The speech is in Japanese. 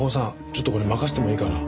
ちょっとこれ任せてもいいかな？